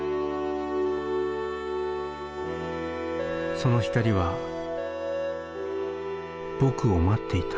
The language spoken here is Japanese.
その光は僕を待っていた。